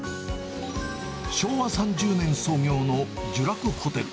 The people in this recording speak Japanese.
昭和３０年創業の聚楽ホテル。